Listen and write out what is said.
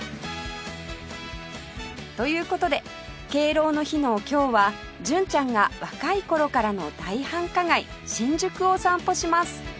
という事で敬老の日の今日は純ちゃんが若い頃からの大繁華街新宿を散歩します